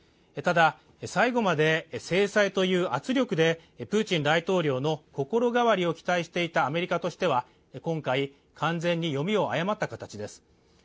ただ、最後まで制裁という圧力でプーチン大統領の心変わりを期待していたアメリカとしては今回、完全に読みを誤った形です。